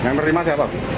yang nerima siapa